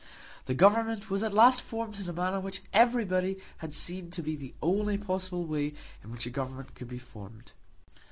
The Government was at last formed in a manner which everybody had seen to be the only possible way in which a government could be formed.